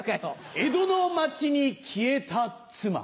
「江戸の町に消えた妻」